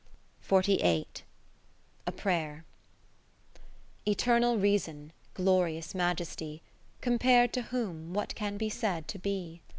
30 A Prayer Eternal Reason, Glorious Majesty, Compar'd to whom what can be said to be?